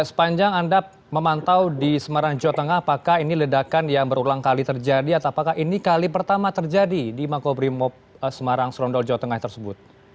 sepanjang anda memantau di semarang jawa tengah apakah ini ledakan yang berulang kali terjadi atau apakah ini kali pertama terjadi di makobrimob semarang serondol jawa tengah tersebut